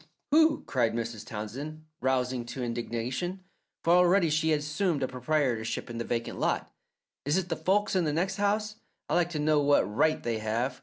"Who?" cried Mrs. Townsend, rousing to indignation, for already she had assumed a proprietorship in the vacant lot. "Is it the folks in the next house? I'd like to know what right they have!